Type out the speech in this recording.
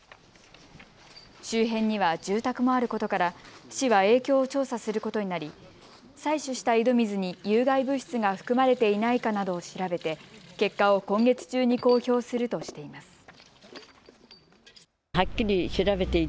周辺には住宅もあることから市は影響を調査することになり採取した井戸水に有害物質が含まれていないかなどを調べて結果を今月中に公表するとしています。